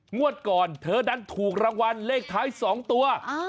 งวดก่อนเธอดันถูกรางวัลเลขท้าย๒ตัว